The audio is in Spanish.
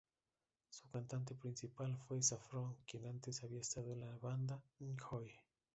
Su cantante principal fue Saffron quien antes había estado en la banda N-Joi.